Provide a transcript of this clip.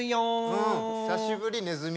うん久しぶりねずみ。